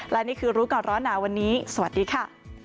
และนี่คือรู้ก่อนร้อนหนาวันนี้สวัสดีค่ะ